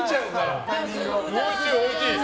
おいしい、おいしい。